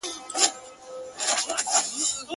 • لویی وني دي ولاړي شنه واښه دي -